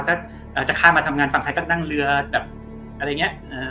จะเอ่อจะข้ามมาทำงานฝั่งไทยก็นั่งเรือแบบอะไรเงี้ยเอ่อ